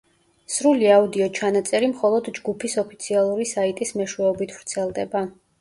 სრული აუდიო ჩანაწერი მხოლოდ ჯგუფის ოფიციალური საიტის მეშვეობით ვრცელდება.